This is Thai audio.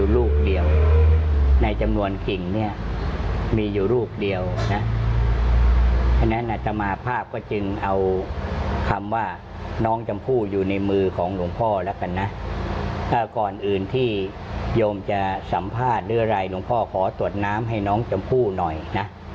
แล้วก่อนอื่นที่โยมจะสัมภาษณ์ด้วยรายหนุ่มพ่อขอตรวจน้ำให้น้องชมพู่หน่อยนะ